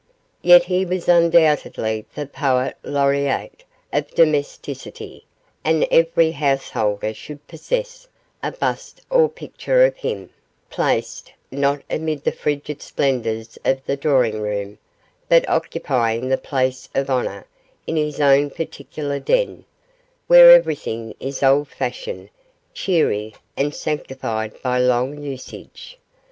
Yet he was undoubtedly the Poet Laureate of domesticity, and every householder should possess a bust or picture of him placed, not amid the frigid splendours of the drawing room, but occupying the place of honour in his own particular den, where everything is old fashioned, cheery, and sanctified by long usage.